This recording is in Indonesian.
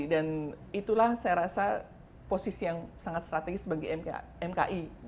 dan itulah saya rasa posisi yang sangat strategis bagi mki